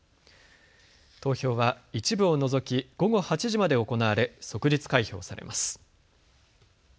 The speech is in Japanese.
投票は一部を除き午後８時まで行われ、即日開票されます。